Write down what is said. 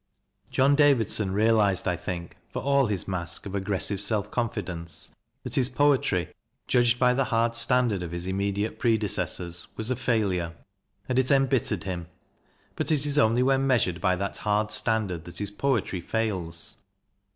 John Davidson realized, I think, for all his mask of aggressive self confidence, that his poetry, judged by the hard standard of his immediate predecessors, was a failure; and it embittered him. But it is only when measured by that hard standard that his poetry fails.